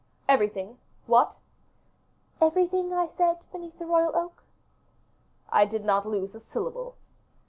"Everything, what?" "Everything I said beneath the royal oak." "I did not lose a syllable."